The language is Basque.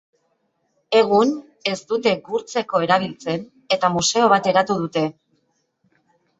Egun ez dute gurtzeko erabiltzen eta museo bat eratu dute.